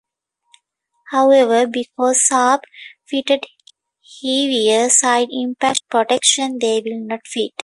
However, because Saab fitted heavier side impact protection they will not fit.